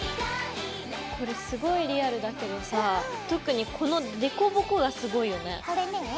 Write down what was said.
これすごいリアルだけどさ特にこの凹凸がすごいよね。